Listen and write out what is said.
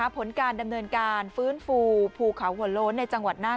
ผลการดำเนินการฟื้นฟูภูเขาหัวโล้นในจังหวัดน่าน